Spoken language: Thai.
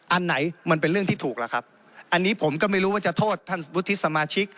อันไหนมันเป็นเรื่องที่ถูกล่ะครับอันนี้ผมก็ไม่รู้ว่าจะโทษท่านวุฒิสมาชิก